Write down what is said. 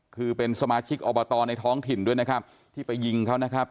คือเป็นสมาชิกอบตในท้องถิ่นด้วยนะครับที่ไปยิงเขานะครับ